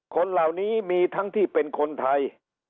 คนเหล่านี้มีทั้งที่เป็นคนไทย